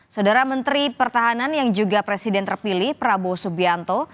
saudara menteri pertahanan yang juga presiden terpilih prabowo subianto